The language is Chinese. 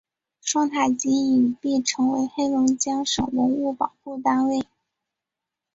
双塔及影壁成为黑龙江省文物保护单位。